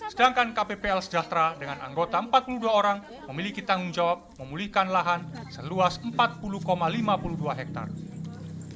sedangkan kppl sejahtera dengan anggota empat puluh dua orang memiliki tanggung jawab memulihkan lahan seluas empat puluh lima puluh dua hektare